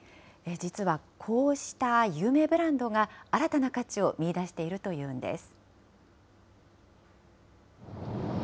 実はこうした有名ブランドが、新たな価値を見いだしているというんです。